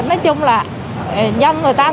nói chung là nhân người ta